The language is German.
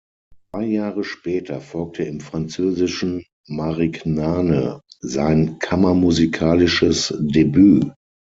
Zwei Jahre später folgte im französischen Marignane sein kammermusikalisches Debüt.